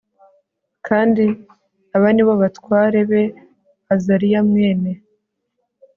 kandi aba ni bo batware be Azariya mwene